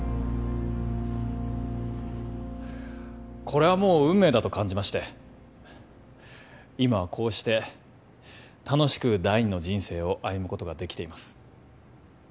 これはもう運命だと感じまして今はこうして楽しく第二の人生を歩むことができています